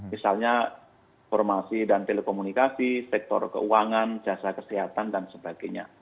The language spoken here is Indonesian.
misalnya informasi dan telekomunikasi sektor keuangan jasa kesehatan dan sebagainya